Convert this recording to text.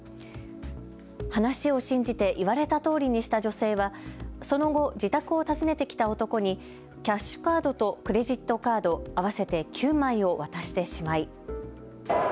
話を信じて言われたとおりにした女性はその後、自宅を訪ねてきた男にキャッシュカードとクレジットカード合わせて９枚を渡してしまい。